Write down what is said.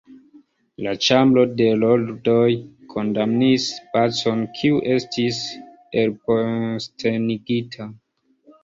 La Ĉambro de Lordoj kondamnis Bacon, kiu estis elpostenigita.